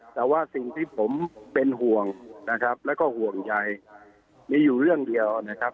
แต่ว่าสิ่งที่ผมเป็นห่วงนะครับแล้วก็ห่วงใยมีอยู่เรื่องเดียวนะครับ